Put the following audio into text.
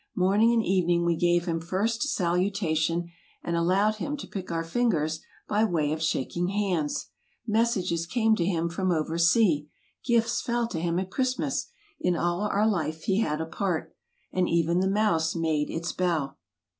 Morning and evening we gave him first salutation, and allowed him to pick our fingers by way of shaking hands. Messages came to him from over sea; gifts fell to him at Christmas; in all our life he had a part. And even the mouse made its bow.